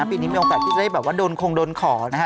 ปีนี้มีโอกาสที่จะได้แบบว่าโดนคงโดนขอนะฮะ